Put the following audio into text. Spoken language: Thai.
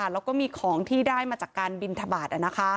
แล้วก็มีของที่ได้มาจากการบินทบาท